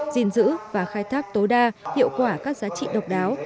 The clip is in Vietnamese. gìn giữ và khai thác tối đa hiệu quả các giá trị độc đáo